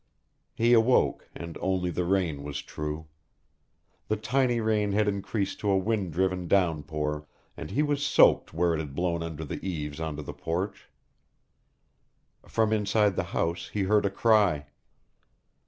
He awoke and only the rain was true. The tiny rain had increased to a wind driven downpour and he was soaked where it had blown under the eaves onto the porch. From inside the house he heard a cry.